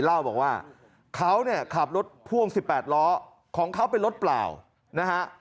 เล่าบอกว่าเขาเนี่ยขับรถพ่วง๑๘ล้อของเขาเป็นรถเปล่านะฮะ